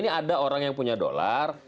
ini ada orang yang punya dolar